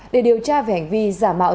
để điều tra về hành vi giả mạo